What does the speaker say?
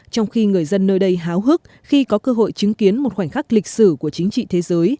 trong khi người dân nơi đây háo hức khi có cơ hội chứng kiến một khoảnh khắc lịch sử của chính trị thế giới